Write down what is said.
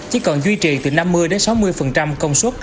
chỉ còn duy trì từ năm mươi sáu mươi công suất